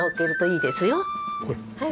はい。